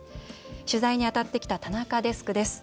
取材に当たってきた田中デスクです。